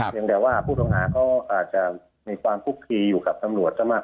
เพียงแต่ว่าพุทธวาก็อาจจะมีความภูกิอยู่กับตำรวจก็มาก